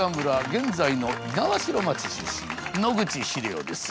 現在の猪苗代町出身野口英世です。